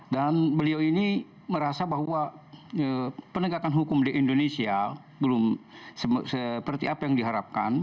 dan beliau ini merasa bahwa penegakan hukum di indonesia belum seperti apa yang diharapkan